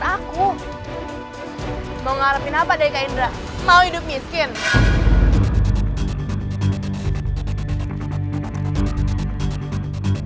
kakak gak boleh duduk orang senangnya dong